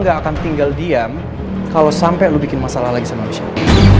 gue gak akan tinggal diam kalo sampe lo bikin masalah lagi sama michelle